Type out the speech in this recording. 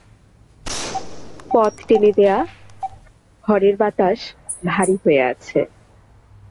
পদ টেনে দেয়া, ঘরের বাতাস ভারি হয়ে আছে।